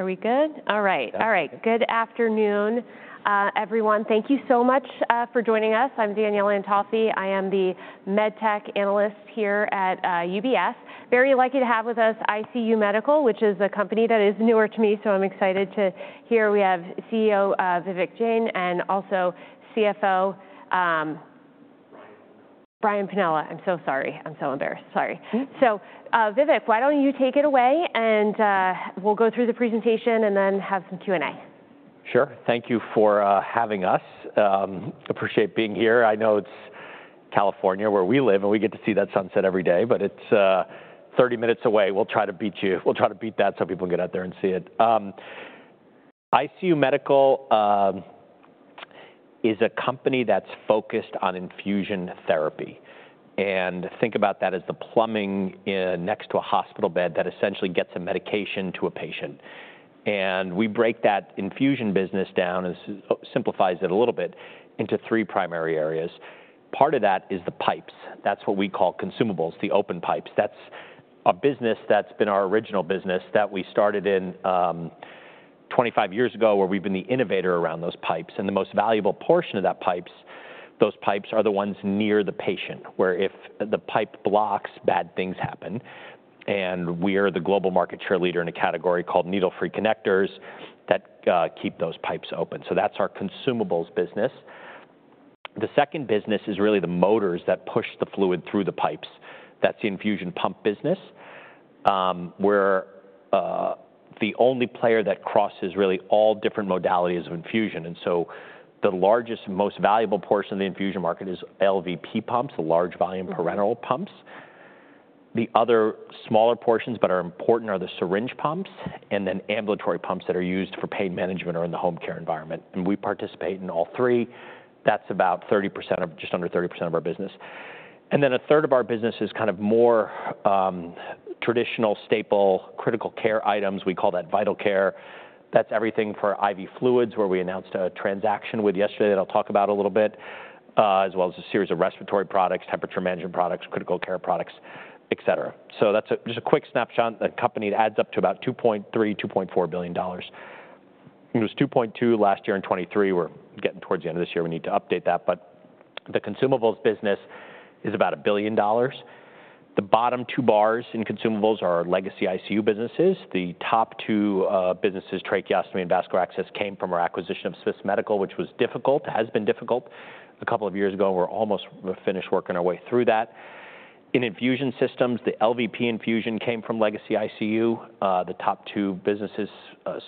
Are we good? All right. All right. Good afternoon, everyone. Thank you so much for joining us. I'm Danielle Antalffy. I am the Med Tech Analyst here at UBS. Very lucky to have with us ICU Medical, which is a company that is newer to me, so I'm excited to hear we have CEO Vivek Jain and also CFO Brian Bonnell. I'm so sorry. I'm so embarrassed. Sorry. So Vivek, why don't you take it away, and we'll go through the presentation and then have some Q&A. Sure. Thank you for having us. Appreciate being here. I know it's California where we live, and we get to see that sunset every day, but it's 30 minutes away. We'll try to beat you. We'll try to beat that so people can get out there and see it. ICU Medical is a company that's focused on infusion therapy, and think about that as the plumbing next to a hospital bed that essentially gets a medication to a patient, and we break that infusion business down, simplifies it a little bit, into three primary areas. Part of that is the pipes. That's what we call consumables, the open pipes. That's a business that's been our original business that we started 25 years ago where we've been the innovator around those pipes. And the most valuable portion of that pipes, those pipes are the ones near the patient where if the pipe blocks, bad things happen. And we are the global market share leader in a category called needle-free connectors that keep those pipes open. So that's our consumables business. The second business is really the motors that push the fluid through the pipes. That's the infusion pump business where the only player that crosses really all different modalities of infusion. And so the largest and most valuable portion of the infusion market is LVP pumps, the large volume parenteral pumps. The other smaller portions that are important are the syringe pumps and then ambulatory pumps that are used for pain management or in the home care environment. And we participate in all three. That's about 30% of just under 30% of our business. Then a third of our business is kind of more traditional staple critical care items. We call that vital care. That's everything for IV fluids where we announced a transaction with yesterday that I'll talk about a little bit, as well as a series of respiratory products, temperature management products, critical care products, et cetera. So that's just a quick snapshot. The company adds up to about $2.3 billion-$2.4 billion. It was $2.2 billion last year in 2023. We're getting towards the end of this year. We need to update that. But the consumables business is about $1 billion. The bottom two bars in consumables are our legacy ICU businesses. The top two businesses, tracheostomy and vascular access, came from our acquisition of Smiths Medical, which was difficult, has been difficult a couple of years ago. We're almost finished working our way through that. In infusion systems, the LVP infusion came from legacy ICU. The top two businesses,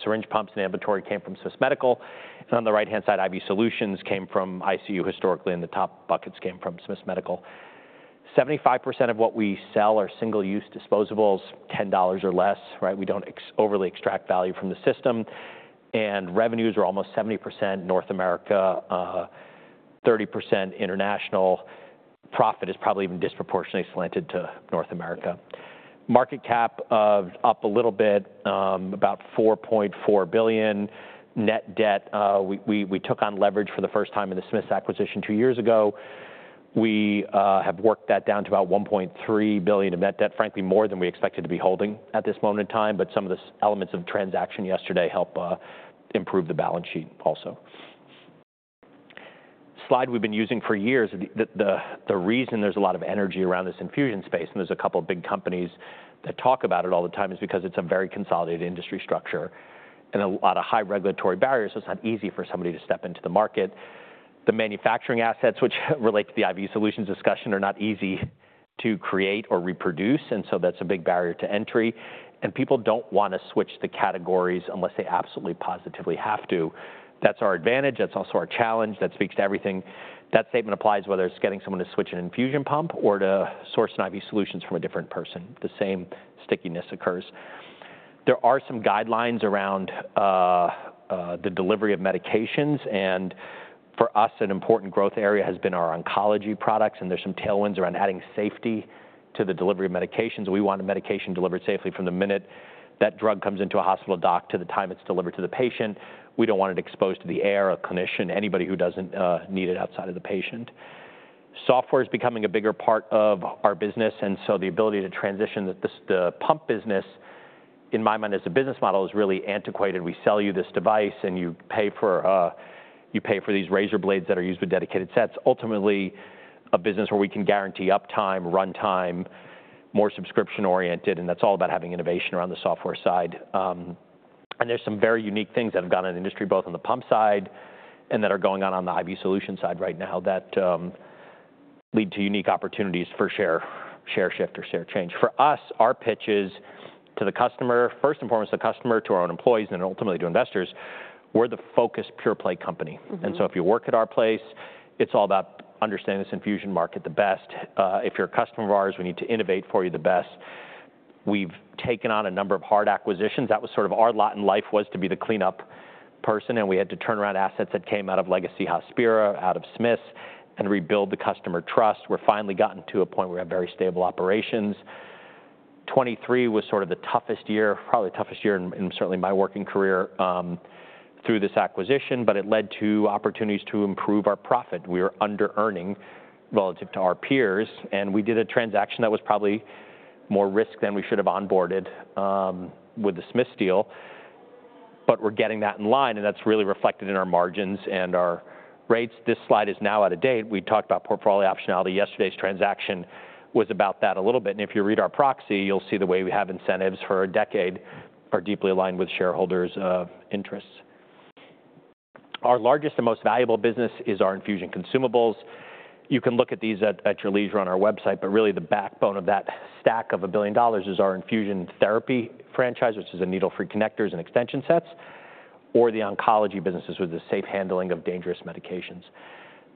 syringe pumps and ambulatory, came from Smiths Medical, and on the right-hand side, IV solutions came from ICU historically, and the top buckets came from Smiths Medical. 75% of what we sell are single-use disposables, $10 or less. We don't overly extract value from the system, and revenues are almost 70% North America, 30% international. Profit is probably even disproportionately slanted to North America. Market cap up a little bit, about $4.4 billion. Net debt, we took on leverage for the first time in the Smiths acquisition two years ago. We have worked that down to about $1.3 billion of net debt, frankly, more than we expected to be holding at this moment in time, but some of the elements of the transaction yesterday helped improve the balance sheet also. Slide we've been using for years. The reason there's a lot of energy around this infusion space, and there's a couple of big companies that talk about it all the time, is because it's a very consolidated industry structure and a lot of high regulatory barriers, so it's not easy for somebody to step into the market. The manufacturing assets, which relate to the IV solutions discussion, are not easy to create or reproduce, and so that's a big barrier to entry, and people don't want to switch the categories unless they absolutely positively have to. That's our advantage. That's also our challenge. That speaks to everything. That statement applies whether it's getting someone to switch an infusion pump or to source an IV solution from a different person. The same stickiness occurs. There are some guidelines around the delivery of medications, and for us, an important growth area has been our oncology products. And there's some tailwinds around adding safety to the delivery of medications. We want a medication delivered safely from the minute that drug comes into a hospital dock to the time it's delivered to the patient. We don't want it exposed to the air, a clinician, anybody who doesn't need it outside of the patient. Software is becoming a bigger part of our business. And so the ability to transition the pump business, in my mind, as a business model is really antiquated. We sell you this device, and you pay for these razor blades that are used with dedicated sets. Ultimately, a business where we can guarantee uptime, run time, more subscription-oriented. And that's all about having innovation around the software side. There's some very unique things that have gone in the industry, both on the pump side and that are going on on the IV solution side right now that lead to unique opportunities for share shift or share change. For us, our pitch is to the customer, first and foremost, the customer, to our own employees, and then ultimately to investors. We're the focus pure-play company. So if you work at our place, it's all about understanding this infusion market the best. If you're a customer of ours, we need to innovate for you the best. We've taken on a number of hard acquisitions. That was sort of our lot in life was to be the cleanup person. We had to turn around assets that came out of legacy Hospira, out of Smiths, and rebuild the customer trust. We're finally gotten to a point where we have very stable operations. 2023 was sort of the toughest year, probably the toughest year in certainly my working career through this acquisition, but it led to opportunities to improve our profit. We were under-earning relative to our peers, and we did a transaction that was probably more risk than we should have onboarded with the Smiths deal, but we're getting that in line, and that's really reflected in our margins and our rates. This slide is now out of date. We talked about portfolio optionality. Yesterday's transaction was about that a little bit, and if you read our proxy, you'll see the way we have incentives for a decade are deeply aligned with shareholders' interests. Our largest and most valuable business is our infusion consumables. You can look at these at your leisure on our website. But really, the backbone of that stack of $1 billion is our infusion therapy franchise, which is needle-free connectors and extension sets, or the oncology businesses with the safe handling of dangerous medications.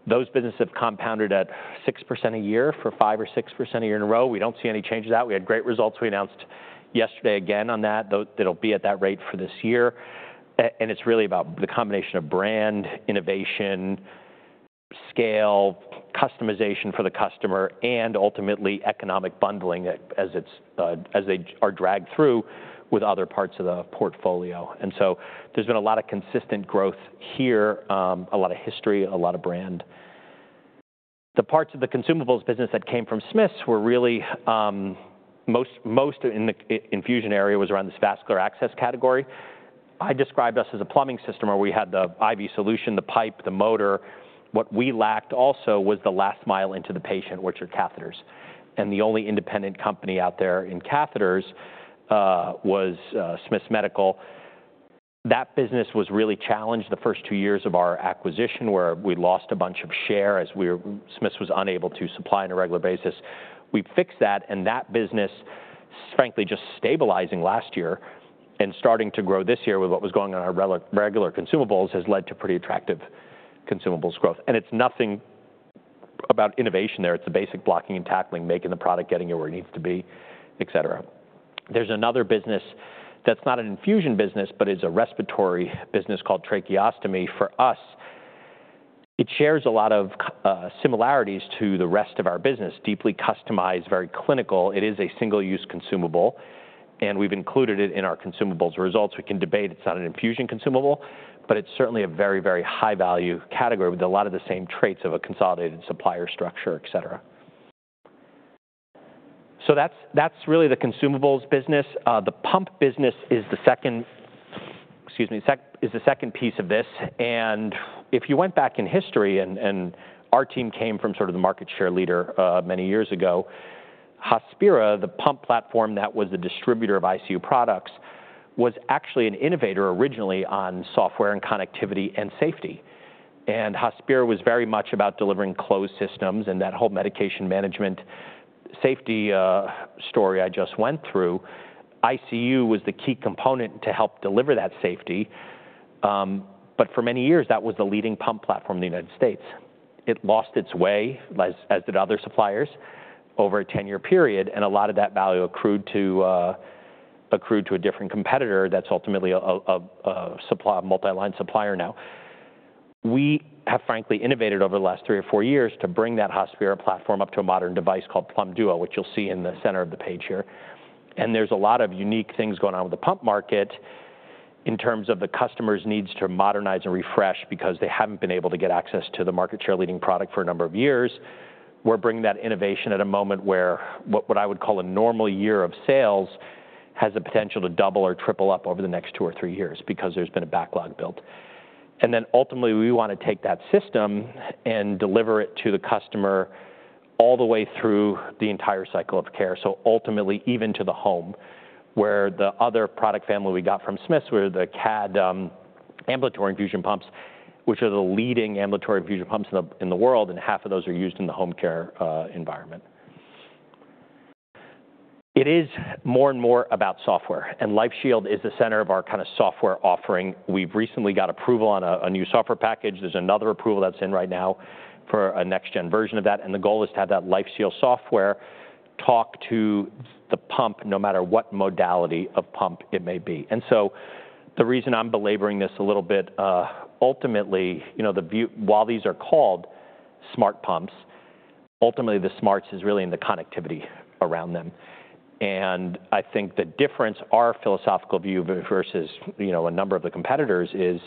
Those businesses have compounded at 6% a year for five or six years in a row. We don't see any change to that. We had great results. We announced yesterday again on that. It'll be at that rate for this year. And it's really about the combination of brand, innovation, scale, customization for the customer, and ultimately economic bundling as they are dragged through with other parts of the portfolio. And so there's been a lot of consistent growth here, a lot of history, a lot of brand. The parts of the consumables business that came from Smiths were really most in the infusion area was around this vascular access category. I described us as a plumbing system where we had the IV solution, the pipe, the motor. What we lacked also was the last mile into the patient, which are catheters. And the only independent company out there in catheters was Smiths Medical. That business was really challenged the first two years of our acquisition where we lost a bunch of share as Smiths was unable to supply on a regular basis. We fixed that. And that business, frankly, just stabilizing last year and starting to grow this year with what was going on in our regular consumables has led to pretty attractive consumables growth. And it's nothing about innovation there. It's the basic blocking and tackling, making the product get where it needs to be, et cetera. There's another business that's not an infusion business, but it's a respiratory business called Tracheostomy for us. It shares a lot of similarities to the rest of our business, deeply customized, very clinical. It is a single-use consumable. And we've included it in our consumables results. We can debate it's not an infusion consumable, but it's certainly a very, very high-value category with a lot of the same traits of a consolidated supplier structure, et cetera. So that's really the consumables business. The pump business is the second, excuse me, is the second piece of this. And if you went back in history and our team came from sort of the market share leader many years ago, Hospira, the pump platform that was the distributor of ICU products, was actually an innovator originally on software and connectivity and safety. And Hospira was very much about delivering closed systems and that whole medication management safety story I just went through. ICU was the key component to help deliver that safety. But for many years, that was the leading pump platform in the United States. It lost its way, as did other suppliers, over a 10-year period. And a lot of that value accrued to a different competitor that's ultimately a multi-line supplier now. We have, frankly, innovated over the last three or four years to bring that Hospira platform up to a modern device called Plum Duo, which you'll see in the center of the page here. And there's a lot of unique things going on with the pump market in terms of the customer's needs to modernize and refresh because they haven't been able to get access to the market share leading product for a number of years. We're bringing that innovation at a moment where what I would call a normal year of sales has the potential to double or triple up over the next two or three years because there's been a backlog built. And then ultimately, we want to take that system and deliver it to the customer all the way through the entire cycle of care. So ultimately, even to the home where the other product family we got from Smiths, where the CADD ambulatory infusion pumps, which are the leading ambulatory infusion pumps in the world, and half of those are used in the home care environment. It is more and more about software. And LifeShield is the center of our kind of software offering. We've recently got approval on a new software package. There's another approval that's in right now for a next-gen version of that. And the goal is to have that LifeShield software talk to the pump no matter what modality of pump it may be. And so the reason I'm belaboring this a little bit, ultimately, while these are called smart pumps, ultimately, the smarts is really in the connectivity around them. And I think the difference, our philosophical view versus a number of the competitors is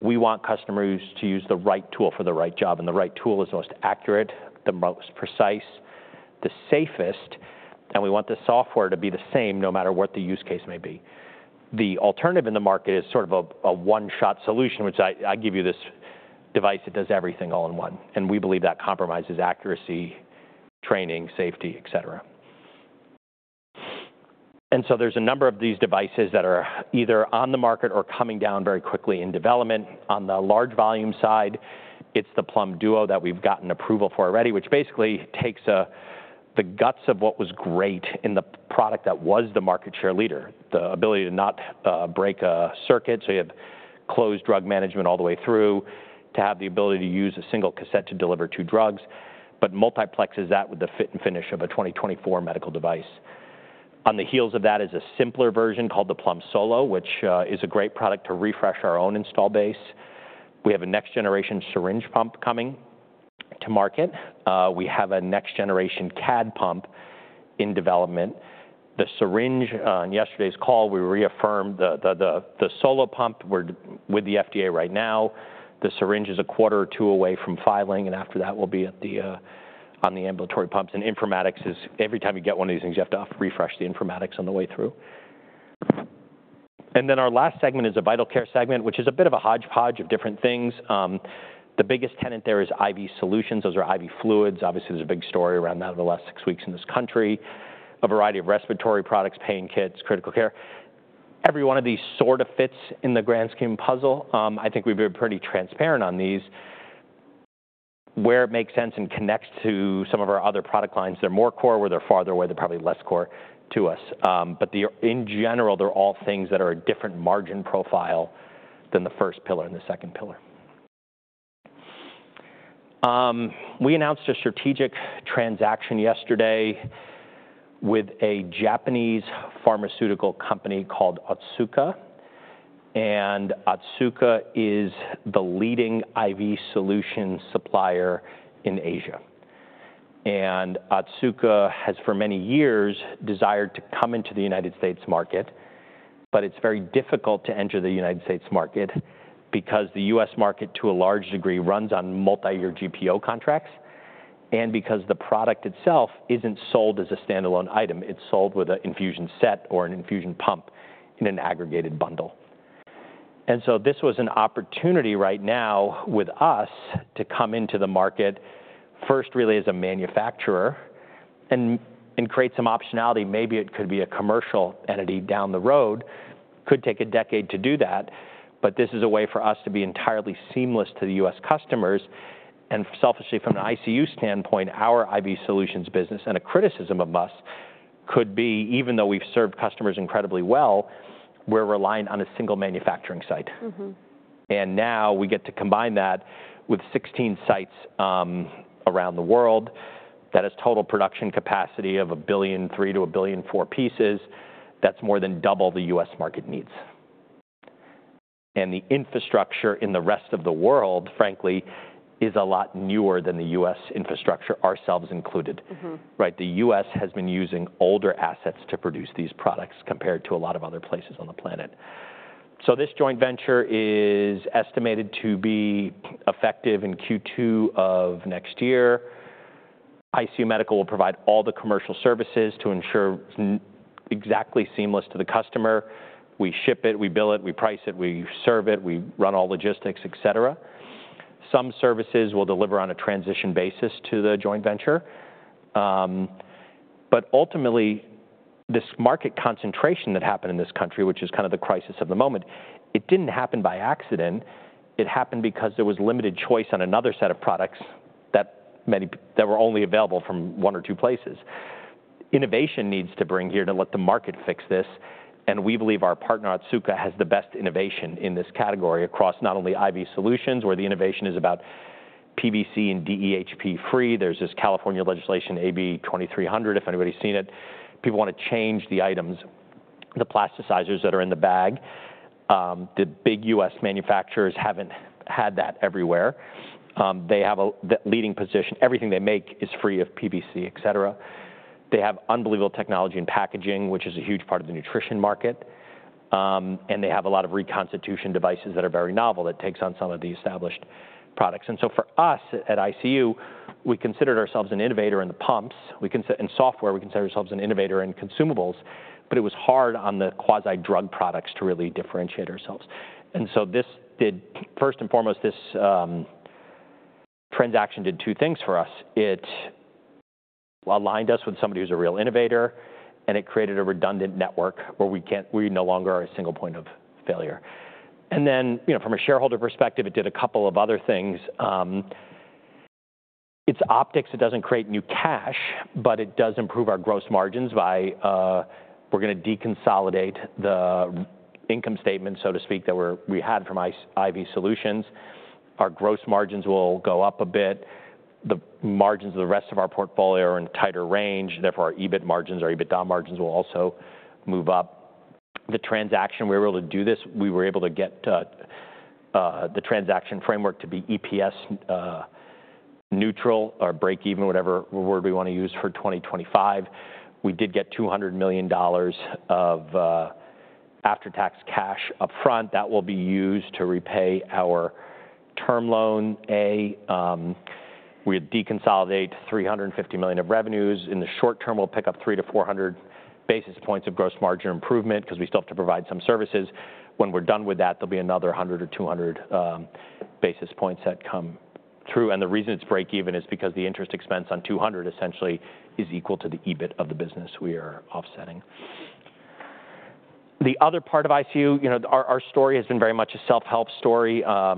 we want customers to use the right tool for the right job. And the right tool is the most accurate, the most precise, the safest. And we want the software to be the same no matter what the use case may be. The alternative in the market is sort of a one-shot solution, which I give you this device that does everything all in one. And we believe that compromises accuracy, training, safety, et cetera. And so there's a number of these devices that are either on the market or coming down very quickly in development. On the large volume side, it's the Plum Duo that we've gotten approval for already, which basically takes the guts of what was great in the product that was the market share leader, the ability to not break a circuit. So you have closed drug management all the way through to have the ability to use a single cassette to deliver two drugs. But multiplexes that with the fit and finish of a 2024 medical device. On the heels of that is a simpler version called the Plum Solo, which is a great product to refresh our own install base. We have a next-generation syringe pump coming to market. We have a next-generation CADD pump in development. The syringe on yesterday's call, we reaffirmed the Solo pump. We're with the FDA right now. The syringe is a quarter or two away from filing, and after that, we'll be on the ambulatory pumps. And informatics is every time you get one of these things, you have to refresh the informatics on the way through, and then our last segment is a vital care segment, which is a bit of a hodgepodge of different things. The biggest tenet there is IV solutions. Those are IV fluids. Obviously, there's a big story around that over the last six weeks in this country. A variety of respiratory products, pain kits, critical care. Every one of these sort of fits in the grand scheme puzzle. I think we've been pretty transparent on these. Where it makes sense and connects to some of our other product lines, they're more core. Where they're farther away, they're probably less core to us. In general, they're all things that are a different margin profile than the first pillar and the second pillar. We announced a strategic transaction yesterday with a Japanese pharmaceutical company called Otsuka. Otsuka is the leading IV solution supplier in Asia. Otsuka has, for many years, desired to come into the United States market. It's very difficult to enter the United States market because the U.S. market, to a large degree, runs on multi-year GPO contracts and because the product itself isn't sold as a standalone item. It's sold with an infusion set or an infusion pump in an aggregated bundle. This was an opportunity right now with us to come into the market, first really as a manufacturer and create some optionality. Maybe it could be a commercial entity down the road. Could take a decade to do that. But this is a way for us to be entirely seamless to the U.S. customers. And selfishly, from an ICU standpoint, our IV solutions business and a criticism of us could be, even though we've served customers incredibly well, we're relying on a single manufacturing site. And now we get to combine that with 16 sites around the world. That is total production capacity of 1.3 billion-1.4 billion pieces. That's more than double the U.S. market needs. And the infrastructure in the rest of the world, frankly, is a lot newer than the U.S. infrastructure, ourselves included. Right? The U.S. has been using older assets to produce these products compared to a lot of other places on the planet. So this joint venture is estimated to be effective in Q2 of next year. ICU Medical will provide all the commercial services to ensure exactly seamless to the customer. We ship it, we bill it, we price it, we serve it, we run all logistics, et cetera. Some services will deliver on a transition basis to the joint venture. But ultimately, this market concentration that happened in this country, which is kind of the crisis of the moment, it didn't happen by accident. It happened because there was limited choice on another set of products that were only available from one or two places. Innovation needs to bring here to let the market fix this. And we believe our partner, Otsuka, has the best innovation in this category across not only IV solutions where the innovation is about PVC and DEHP free. There's this California legislation, AB2300, if anybody's seen it. People want to change the items, the plasticizers that are in the bag. The big U.S. manufacturers haven't had that everywhere. They have a leading position. Everything they make is free of PVC, et cetera. They have unbelievable technology in packaging, which is a huge part of the nutrition market. And they have a lot of reconstitution devices that are very novel that take on some of the established products. And so for us at ICU, we considered ourselves an innovator in the pumps. In software, we consider ourselves an innovator in consumables. But it was hard on the quasi-drug products to really differentiate ourselves. And so this did, first and foremost, this transaction did two things for us. It aligned us with somebody who's a real innovator, and it created a redundant network where we no longer are a single point of failure. And then from a shareholder perspective, it did a couple of other things. It's optics. It doesn't create new cash, but it does improve our gross margins by we're going to deconsolidate the income statement, so to speak, that we had from IV solutions. Our gross margins will go up a bit. The margins of the rest of our portfolio are in tighter range. Therefore, our EBIT margins, our EBITDA margins will also move up. The transaction, we were able to do this. We were able to get the transaction framework to be EPS neutral or break even, whatever word we want to use for 2025. We did get $200 million of after-tax cash upfront that will be used to repay our term loan A. We would deconsolidate $350 million of revenues. In the short term, we'll pick up 300-400 basis points of gross margin improvement because we still have to provide some services. When we're done with that, there'll be another 100 or 200 basis points that come through. The reason it's break even is because the interest expense on 200 essentially is equal to the EBIT of the business we are offsetting. The other part of ICU, our story has been very much a self-help story. I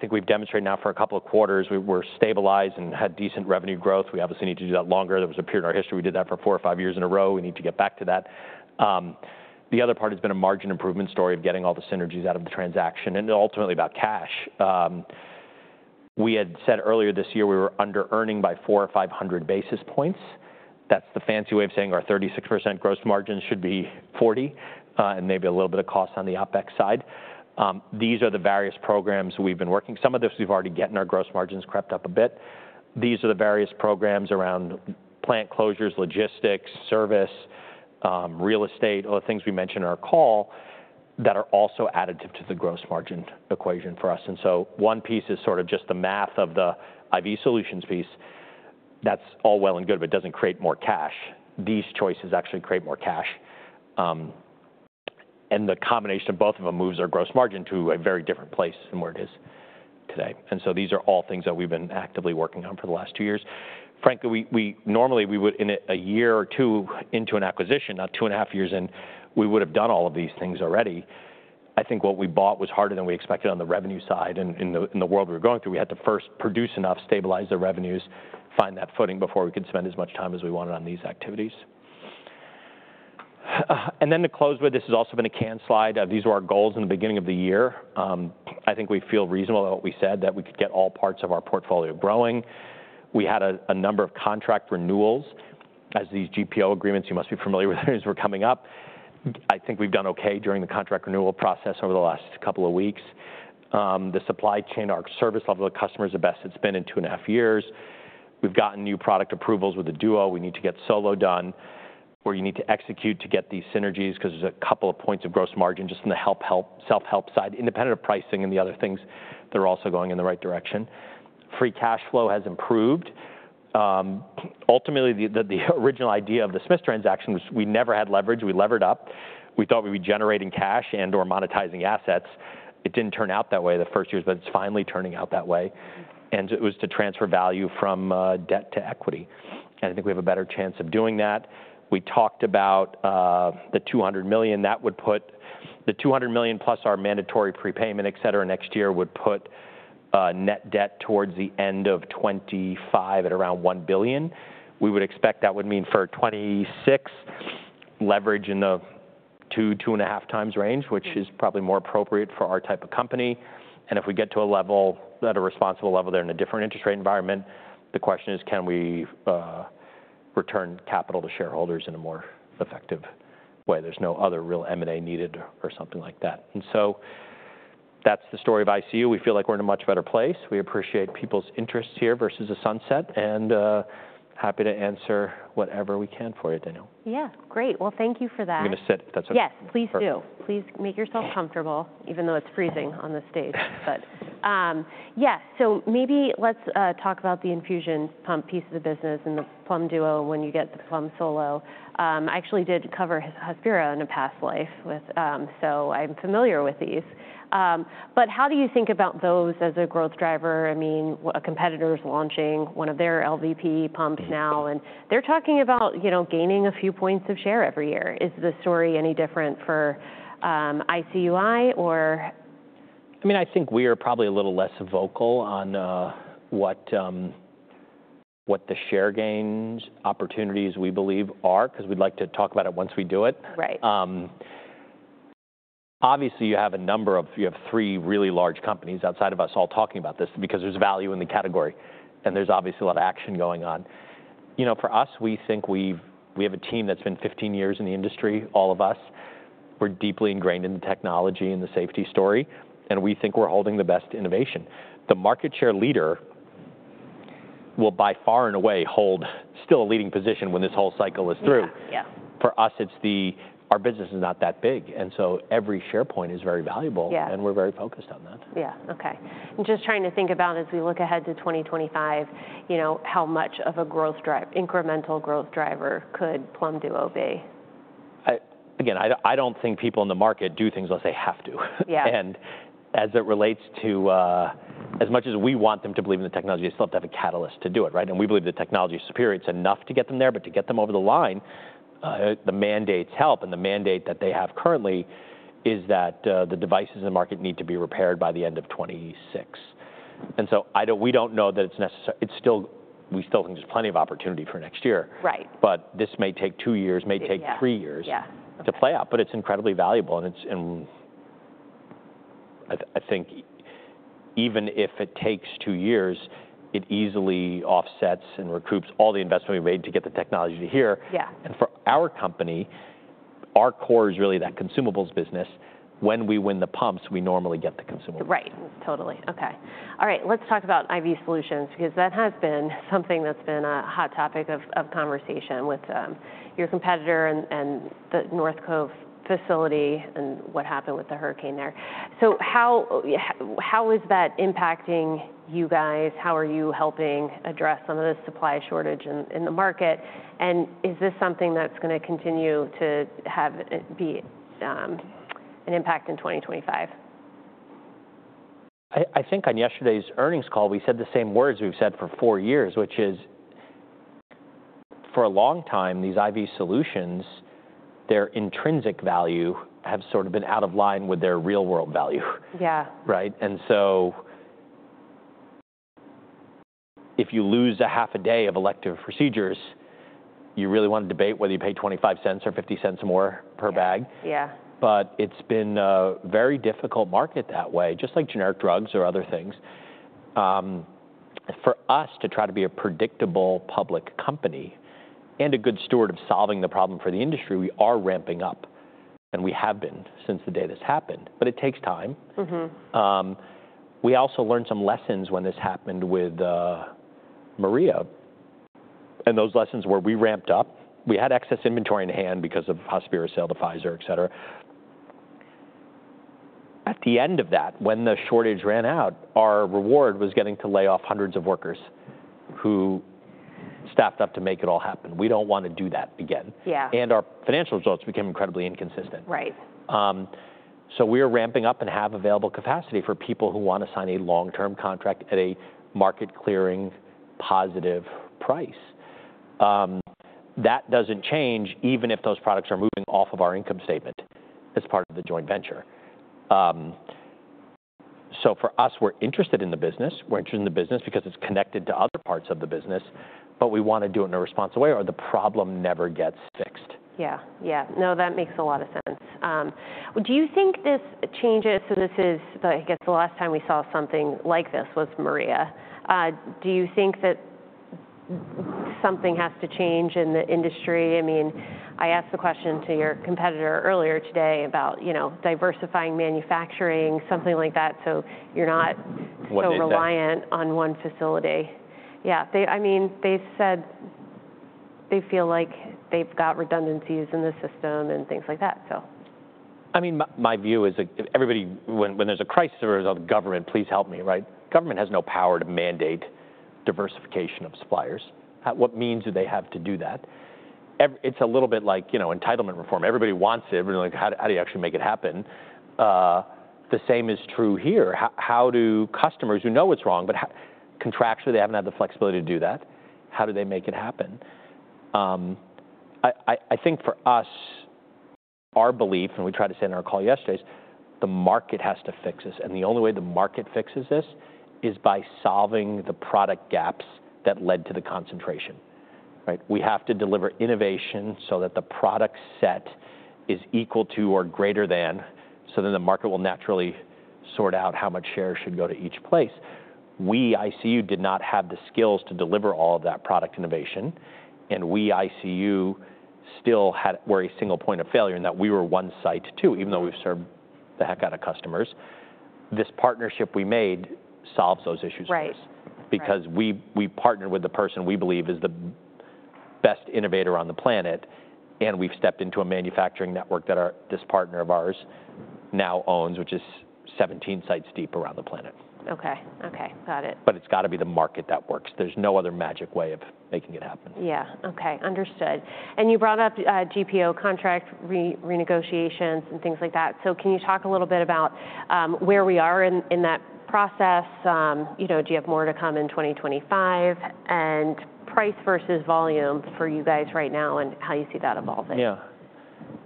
think we've demonstrated now for a couple of quarters. We were stabilized and had decent revenue growth. We obviously need to do that longer. There was a period in our history we did that for four or five years in a row. We need to get back to that. The other part has been a margin improvement story of getting all the synergies out of the transaction and ultimately about cash. We had said earlier this year we were under-earning by 400 basis points or 500 basis points. That's the fancy way of saying our 36% gross margin should be 40% and maybe a little bit of cost on the OpEx side. These are the various programs we've been working. Some of this we've already getting our gross margins crept up a bit. These are the various programs around plant closures, logistics, service, real estate, all the things we mentioned in our call that are also additive to the gross margin equation for us. And so one piece is sort of just the math of the IV solutions piece. That's all well and good, but it doesn't create more cash. These choices actually create more cash. And the combination of both of them moves our gross margin to a very different place than where it is today. And so these are all things that we've been actively working on for the last two years. Frankly, normally we would, in a year or two into an acquisition, not 2.5 years in, we would have done all of these things already. I think what we bought was harder than we expected on the revenue side. And in the world we were going through, we had to first produce enough, stabilize the revenues, find that footing before we could spend as much time as we wanted on these activities. And then to close with, this has also been a canned slide. These were our goals in the beginning of the year. I think we feel reasonable about what we said, that we could get all parts of our portfolio growing. We had a number of contract renewals as these GPO agreements, you must be familiar with them, as we're coming up. I think we've done okay during the contract renewal process over the last couple of weeks. The supply chain, our service level to customers the best it's been in two and a half years. We've gotten new product approvals with the Duo. We need to get Solo done where you need to execute to get these synergies because there's a couple of points of gross margin just in the self-help side. Independent of pricing and the other things, they're also going in the right direction. Free cash flow has improved. Ultimately, the original idea of the Smiths transaction was we never had leverage. We levered up. We thought we would be generating cash and or monetizing assets. It didn't turn out that way the first years, but it's finally turning out that way. And it was to transfer value from debt to equity. And I think we have a better chance of doing that. We talked about the $200 million that would put the $200 million+ our mandatory prepayment, et cetera, next year would put net debt towards the end of 2025 at around $1 billion. We would expect that would mean for 2026 leverage in the 2x-2.5x times range, which is probably more appropriate for our type of company. And if we get to a level at a responsible level there in a different interest rate environment, the question is, can we return capital to shareholders in a more effective way? There's no other real M&A needed or something like that. And so that's the story of ICU. We feel like we're in a much better place. We appreciate people's interest here versus a sunset, and happy to answer whatever we can for you, Danielle. Yeah. Great. Well, thank you for that. I'm going to sit, if that's okay? Yes, please do. Please make yourself comfortable, even though it's freezing on this stage. But yeah, so maybe let's talk about the infusion pump piece of the business and the Plum Duo when you get the Plum Solo. I actually did cover Hospira in a past life, so I'm familiar with these. But how do you think about those as a growth driver? I mean, a competitor's launching one of their LVP pumps now, and they're talking about gaining a few points of share every year. Is the story any different for ICUI or? I mean, I think we are probably a little less vocal on what the share gains opportunities we believe are because we'd like to talk about it once we do it. Right. Obviously, you have a number of, you have three really large companies outside of us all talking about this because there's value in the category, and there's obviously a lot of action going on. For us, we think we have a team that's been 15 years in the industry, all of us. We're deeply ingrained in the technology and the safety story, and we think we're holding the best innovation. The market share leader will by far and away hold still a leading position when this whole cycle is through. For us, it's the, our business is not that big. And so every share point is very valuable, and we're very focused on that. Yeah. Okay. And just trying to think about as we look ahead to 2025, how much of a growth drive, incremental growth driver could Plum Duo be? Again, I don't think people in the market do things unless they have to. And as it relates to, as much as we want them to believe in the technology, they still have to have a catalyst to do it, right? And we believe the technology is superior. It's enough to get them there, but to get them over the line, the mandates help. And the mandate that they have currently is that the devices in the market need to be repaired by the end of 2026. And so we don't know that it's necessary. We still think there's plenty of opportunity for next year. But this may take two years, may take three years to play out. But it's incredibly valuable. And I think even if it takes two years, it easily offsets and recoups all the investment we've made to get the technology to here. For our company, our core is really that consumables business. When we win the pumps, we normally get the consumables. Right. Totally. Okay. All right. Let's talk about IV solutions because that has been something that's been a hot topic of conversation with your competitor and the North Cove facility and what happened with the hurricane there. So how is that impacting you guys? How are you helping address some of the supply shortage in the market? And is this something that's going to continue to have an impact in 2025? I think on yesterday's earnings call, we said the same words we've said for four years, which is for a long time, these IV solutions, their intrinsic value has sort of been out of line with their real-world value. Right? And so if you lose a half a day of elective procedures, you really want to debate whether you pay $0.25 or $0.50 more per bag. But it's been a very difficult market that way, just like generic drugs or other things. For us to try to be a predictable public company and a good steward of solving the problem for the industry, we are ramping up, and we have been since the day this happened. But it takes time. We also learned some lessons when this happened with Maria. And those lessons were we ramped up. We had excess inventory in hand because of Hospira sale to Pfizer, et cetera. At the end of that, when the shortage ran out, our reward was getting to lay off hundreds of workers who staffed up to make it all happen. We don't want to do that again, and our financial results became incredibly inconsistent, so we are ramping up and have available capacity for people who want to sign a long-term contract at a market-clearing positive price. That doesn't change even if those products are moving off of our income statement as part of the joint venture, so for us, we're interested in the business. We're interested in the business because it's connected to other parts of the business, but we want to do it in a responsible way or the problem never gets fixed. Yeah. Yeah. No, that makes a lot of sense. Do you think this changes? So this is, I guess, the last time we saw something like this was Maria. Do you think that something has to change in the industry? I mean, I asked the question to your competitor earlier today about diversifying manufacturing, something like that, so you're not so reliant on one facility. Yeah. I mean, they said they feel like they've got redundancies in the system and things like that, so. I mean, my view is everybody, when there's a crisis or there's a government, please help me, right? Government has no power to mandate diversification of suppliers. What means do they have to do that? It's a little bit like entitlement reform. Everybody wants it, but how do you actually make it happen? The same is true here. How do customers who know it's wrong, but contractually they haven't had the flexibility to do that, how do they make it happen? I think for us, our belief, and we tried to say in our call yesterday, is the market has to fix this. And the only way the market fixes this is by solving the product gaps that led to the concentration. We have to deliver innovation so that the product set is equal to or greater than, so then the market will naturally sort out how much share should go to each place. We, ICU, did not have the skills to deliver all of that product innovation, and we, ICU, still were a single point of failure in that we were one site too, even though we've served the heck out of customers. This partnership we made solves those issues for us because we partnered with the person we believe is the best innovator on the planet, and we've stepped into a manufacturing network that this partner of ours now owns, which is 17 sites deep around the planet. Okay. Okay. Got it. But it's got to be the market that works. There's no other magic way of making it happen. Yeah. Okay. Understood. And you brought up GPO contract renegotiations and things like that. So can you talk a little bit about where we are in that process? Do you have more to come in 2025? And price versus volume for you guys right now and how you see that evolving? Yeah,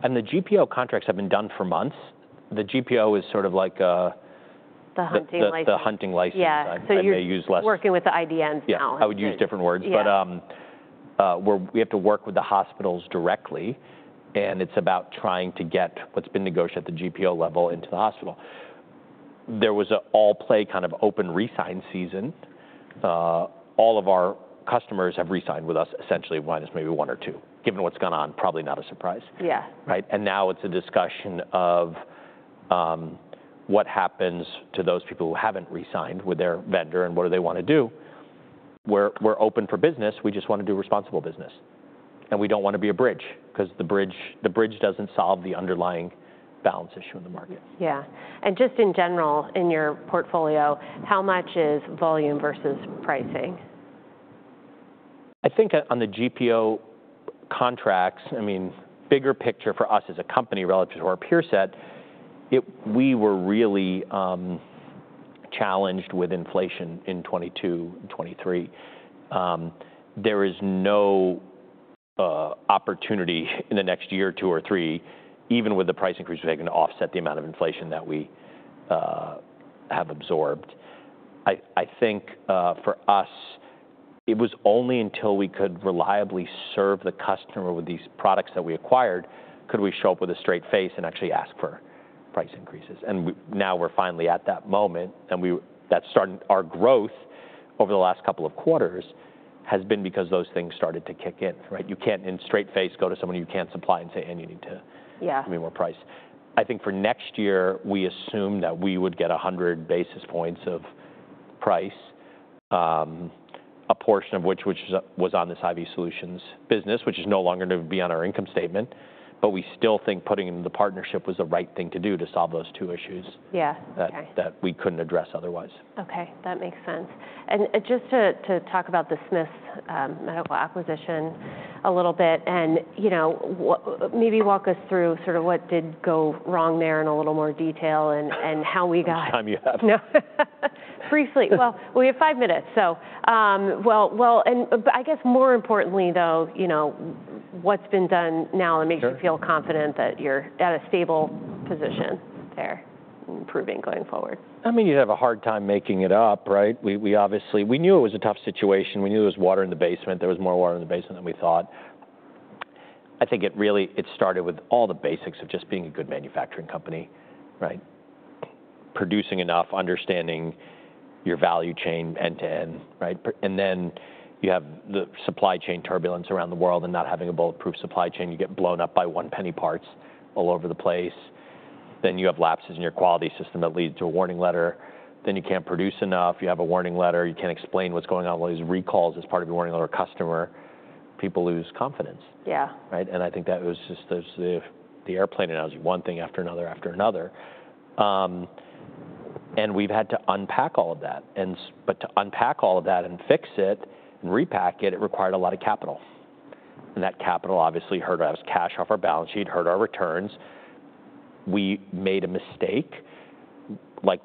and the GPO contracts have been done for months. The GPO is sort of like a. The hunting license. The hunting license. Yeah. So you're working with the IDNs now. Yeah. I would use different words, but we have to work with the hospitals directly, and it's about trying to get what's been negotiated at the GPO level into the hospital. There was an all-play kind of open re-sign season. All of our customers have re-signed with us, essentially. There's maybe one or two. Given what's gone on, probably not a surprise. Right? And now it's a discussion of what happens to those people who haven't re-signed with their vendor and what do they want to do. We're open for business. We just want to do responsible business. And we don't want to be a bridge because the bridge doesn't solve the underlying balance issue in the market. Yeah. And just in general, in your portfolio, how much is volume versus pricing? I think on the GPO contracts, I mean, bigger picture for us as a company relative to our peer set, we were really challenged with inflation in 2022 and 2023. There is no opportunity in the next year or two or three, even with the price increase, we're going to offset the amount of inflation that we have absorbed. I think for us, it was only until we could reliably serve the customer with these products that we acquired could we show up with a straight face and actually ask for price increases, and now we're finally at that moment, and that's starting our growth over the last couple of quarters has been because those things started to kick in, right? You can't with a straight face go to someone you can't supply and say, "And you need to give me more price." I think for next year, we assume that we would get 100 basis points of price, a portion of which was on this IV solutions business, which is no longer going to be on our income statement, but we still think putting in the partnership was the right thing to do to solve those two issues that we couldn't address otherwise. Okay. That makes sense. And just to talk about the Smiths Medical acquisition a little bit and maybe walk us through sort of what did go wrong there in a little more detail and how we got. Time you have. No. Briefly. Well, we have five minutes. Well, and I guess more importantly, though, what's been done now that makes you feel confident that you're at a stable position there and improving going forward? I mean, you'd have a hard time making it up, right? We knew it was a tough situation. We knew there was water in the basement. There was more water in the basement than we thought. I think it started with all the basics of just being a good manufacturing company, producing enough, understanding your value chain end to end. And then you have the supply chain turbulence around the world and not having a bulletproof supply chain. You get blown up by one penny parts all over the place. Then you have lapses in your quality system that lead to a warning letter. Then you can't produce enough. You have a warning letter. You can't explain what's going on with all these recalls as part of your warning letter to a customer. People lose confidence. I think that was just the airplane analogy, one thing after another after another. We've had to unpack all of that. To unpack all of that and fix it and repack it, it required a lot of capital. That capital obviously hurt us. Cash off our balance sheet hurt our returns. We made a mistake, like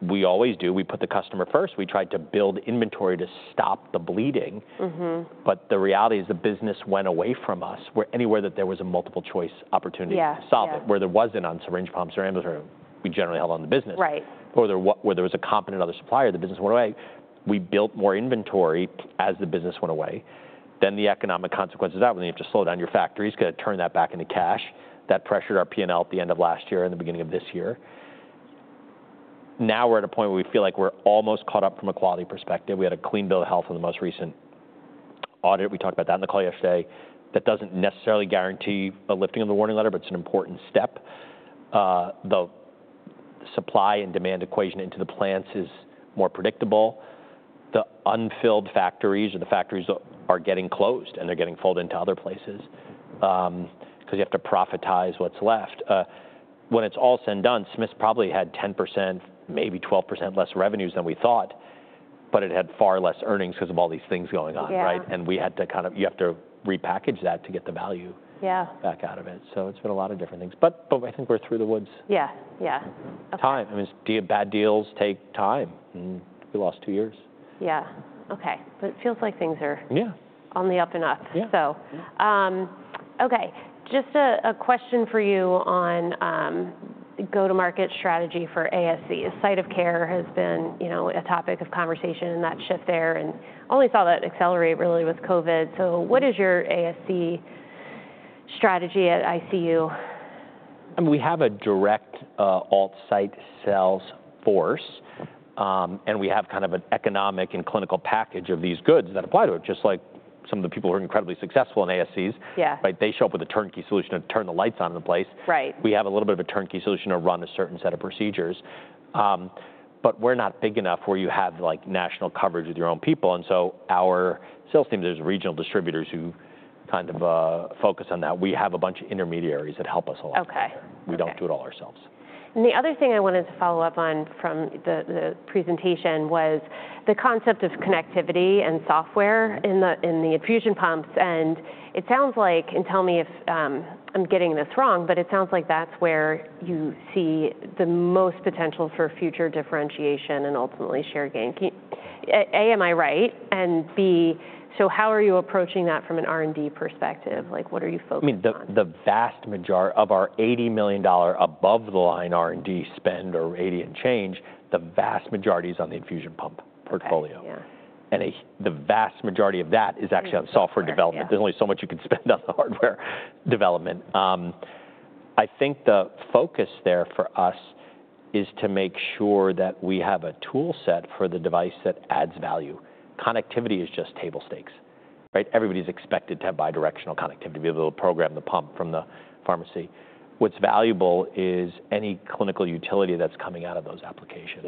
we always do. We put the customer first. We tried to build inventory to stop the bleeding. The reality is the business went away from us. Where anywhere that there was a multiple choice opportunity to solve it, where there wasn't on syringe pumps or ambulatory, we generally held on the business. Where there was a competent other supplier, the business went away. We built more inventory as the business went away. Then the economic consequences of that were you have to slow down your factories because it turned that back into cash. That pressured our P&L at the end of last year and the beginning of this year. Now we're at a point where we feel like we're almost caught up from a quality perspective. We had a clean bill of health on the most recent audit. We talked about that in the call yesterday. That doesn't necessarily guarantee a lifting of the warning letter, but it's an important step. The supply and demand equation into the plants is more predictable. The unfilled factories or the factories that are getting closed and they're getting folded into other places because you have to profitize what's left. When it's all said and done, Smiths probably had 10%, maybe 12% less revenues than we thought, but it had far less earnings because of all these things going on, right, and we had to kind of you have to repackage that to get the value back out of it, so it's been a lot of different things, but I think we're through the woods. Yeah. Yeah. Time. I mean, bad deals take time. We lost two years. Yeah. Okay. But it feels like things are on the up and up. So, okay. Just a question for you on go-to-market strategy for ASCs. Site of care has been a topic of conversation and that shift there. And only saw that accelerate really with COVID. So what is your ASC strategy at ICU? I mean, we have a direct alt site sales force, and we have kind of an economic and clinical package of these goods that apply to it, just like some of the people who are incredibly successful in ASCs. They show up with a turnkey solution to turn the lights on in the place. We have a little bit of a turnkey solution to run a certain set of procedures. But we're not big enough where you have national coverage with your own people. And so our sales team, there's regional distributors who kind of focus on that. We have a bunch of intermediaries that help us a lot. We don't do it all ourselves. The other thing I wanted to follow up on from the presentation was the concept of connectivity and software in the infusion pumps. It sounds like, and tell me if I'm getting this wrong, but it sounds like that's where you see the most potential for future differentiation and ultimately share gain. A, am I right? B, so how are you approaching that from an R&D perspective? What are you focusing on? I mean, the vast majority of our $80 million above-the-line R&D spend or [rate] and change, the vast majority is on the infusion pump portfolio. And the vast majority of that is actually on software development. There's only so much you can spend on the hardware development. I think the focus there for us is to make sure that we have a tool set for the device that adds value. Connectivity is just table stakes. Everybody's expected to have bidirectional connectivity to be able to program the pump from the pharmacy. What's valuable is any clinical utility that's coming out of those applications.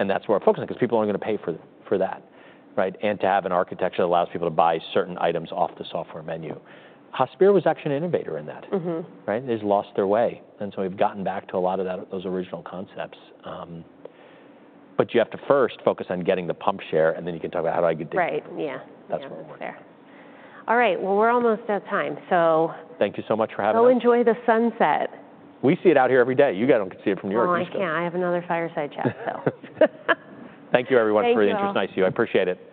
And that's where our focus is because people aren't going to pay for that. And to have an architecture that allows people to buy certain items off the software menu. Hospira was actually an innovator in that. They just lost their way. And so we've gotten back to a lot of those original concepts. But you have to first focus on getting the pump share, and then you can talk about how do I get the? Right. Yeah. That's what we want. All right. Well, we're almost out of time, so. Thank you so much for having us. Go enjoy the sunset. We see it out here every day. You guys don't get to see it from your kitchen. Oh, I can't. I have another fireside chat, so. Thank you, everyone, for your interest in ICU. I appreciate it.